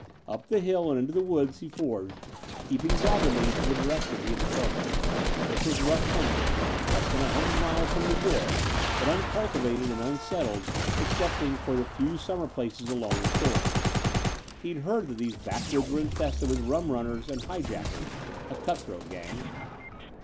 Up the hill and into the woods he forged, keeping doggedly to the direction he had determined. This was rough country, less than a hundred miles from New York but uncultivated and unsettled excepting for the few summer places along the shore. He'd heard that these backwoods were infested with rum runners and hijackers, a cutthroat gang.